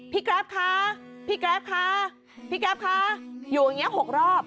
พี่กรัฟพอพี่กรัฟพอพี่กรัฟพออยู่เท่าไหร่๖รอบ